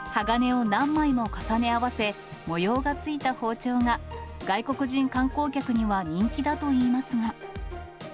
鋼を何枚も重ね合わせ、模様がついた包丁が、外国人観光客には人気だといいますが。